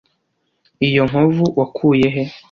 iyo nkovu wakuye he